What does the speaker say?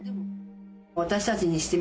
私たちにしてみたら。